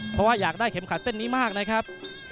เพราะว่าอยากได้เข็มขัดเส้นนี้มากนะครับ